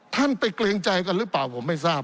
ท่านไปเกรงใจกันหรือเปล่าผมไม่ทราบ